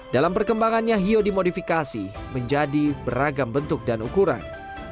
dalam perkembangannya hiyo dimodifikasi menjadi beragam bentuk dan ukuran